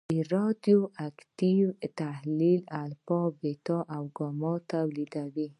د رادیواکتیو تحلیل الفا، بیټا او ګاما تولیدوي.